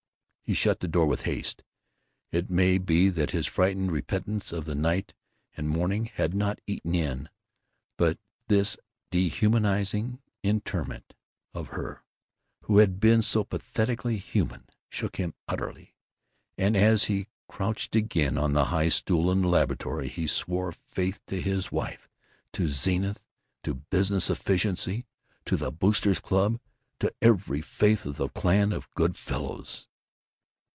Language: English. He shut the door with haste. It may be that his frightened repentance of the night and morning had not eaten in, but this dehumanizing interment of her who had been so pathetically human shook him utterly, and as he crouched again on the high stool in the laboratory he swore faith to his wife... to Zenith... to business efficiency... to the Boosters' Club... to every faith of the Clan of Good Fellows.